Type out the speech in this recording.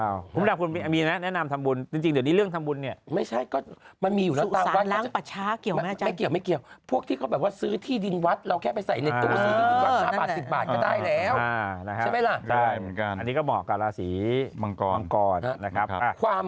อ่าไม่มีเป็นไรตอนนั้นอยู่ที่ฐานนะ